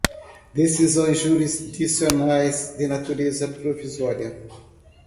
decisões jurisdicionais, de natureza provisória